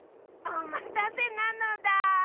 おまたせなのだ。